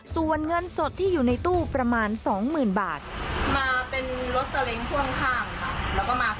ส่วนเงินสดที่อยู่ในตู้ประมาณ๒๐๐๐บาทมาเป็นรถซาเล้งพ่วงข้างค่ะ